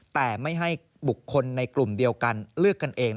แต่ไม่ให้บุคคลในกลุ่มเดียวกันเลือกกันเอง